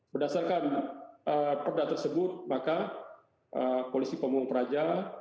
berdasarkan perda tersebut maka polisi pamung praja